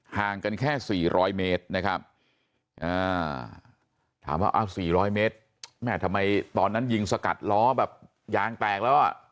ห่างกันแค่๔๐๐เมตรนะครับถามว่า๔๐๐เมตรแม่ทำไมตอนนั้นยิงสกัดล้อแบบยางแตกแล้วอ่ะ